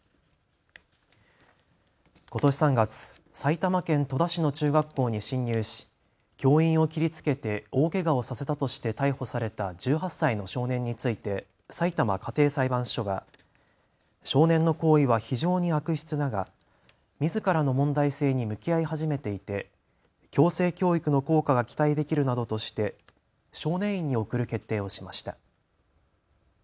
ことし３月、埼玉県戸田市の中学校に侵入し教員を切りつけて大けがをさせたとして逮捕された１８歳の少年についてさいたま家庭裁判所が少年の行為は非常に悪質だがみずからの問題性に向き合い始めていて矯正教育の効果が期待できるなどとして少年院に送る決定をしました。